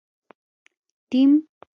ټیم